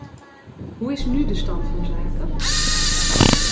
Hoe is nu de stand van zaken?